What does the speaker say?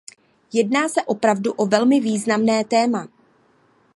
Jedná se opravdu o velmi významné téma.